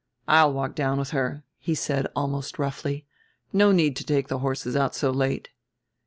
"I'll walk down with her," he said almost roughly. "No need to take the horses out so late."